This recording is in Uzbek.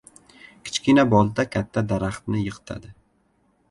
• Kichkina bolta katta daraxtni yiqitadi.